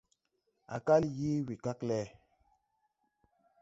Á kal yee wekag lɛ.